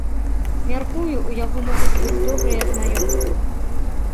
Мяркую, у яго могуць быць добрыя знаёмствы.